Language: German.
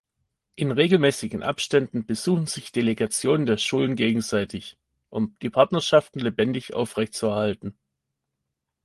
In regelmäßigen Abständen besuchen sich Delegationen der Schulen gegenseitig, um die Partnerschaft lebendig aufrechtzuerhalten.